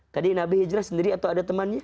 tadi nabi hijrah sendiri atau ada temannya